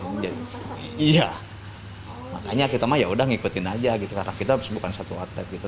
iya makanya kita mah yaudah ngikutin aja gitu karena kita bukan satu outlet gitu